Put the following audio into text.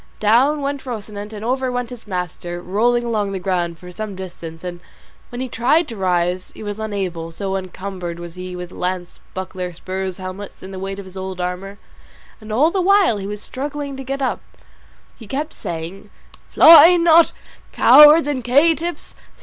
Down went Rocinante, and over went his master, rolling along the ground for some distance; and when he tried to rise he was unable, so encumbered was he with lance, buckler, spurs, helmet, and the weight of his old armour; and all the while he was struggling to get up he kept saying, "Fly not, cowards and caitiffs!